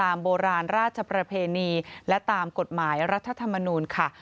โบราณราชประเพณีและตามกฎหมายรัฐธรรมนูลค่ะ